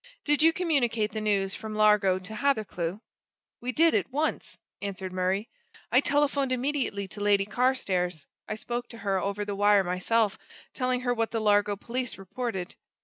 "Did you communicate the news from Largo to Hathercleugh?" "We did, at once," answered Murray. "I telephoned immediately to Lady Carstairs I spoke to her over the wire myself, telling her what the Largo police reported."